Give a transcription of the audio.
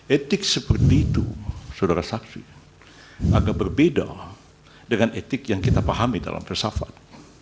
etik seperti itu saudara saksi agak berbeda dengan etik yang kita pahami dalam filsafat